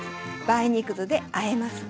梅肉酢であえます。